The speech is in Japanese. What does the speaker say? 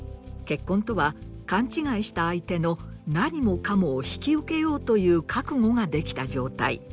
結婚とは勘違いした相手の何もかもを引き受けようという覚悟ができた状態